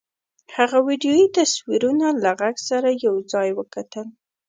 هغه ویډیويي تصویرونه له غږ سره یو ځای وکتل